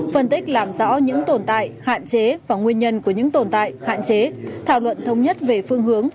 phân tích làm rõ những tồn tại hạn chế và nguyên nhân của những tồn tại hạn chế thảo luận thống nhất về phương hướng